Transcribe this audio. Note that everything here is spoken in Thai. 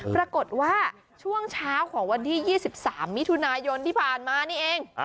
ปรากฏว่าช่วงเช้าของวันที่๒๓มิถุนายนที่ผ่านมานี่เอง